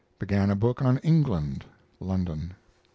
Began a book on England (London).